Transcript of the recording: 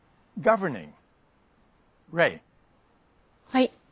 はい。